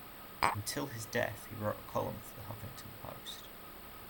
Until his death he wrote a column for The Huffington Post.